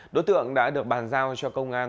đối tượng đã được bàn giao cho công an